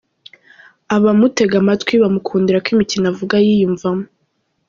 Abamutega amatwi bamukundira ko imikino avuga ayiyumvamo.